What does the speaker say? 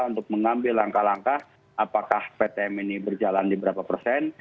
untuk mengambil langkah langkah apakah ptm ini berjalan di berapa persen